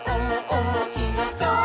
おもしろそう！」